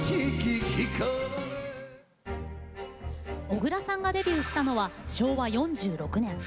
小椋さんがデビューしたのは昭和４６年。